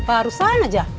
baru sana aja